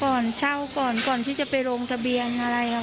ก่อนเช่าก่อนก่อนที่จะไปลงทะเบียนอะไรค่ะ